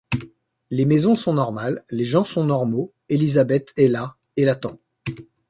Les maisons sont normales, les gens sont normaux, Elizabeth est là et l’attend.